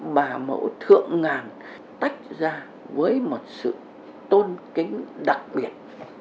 bà mẫu thượng ngàn tách ra với một sự tôn kính đặc biệt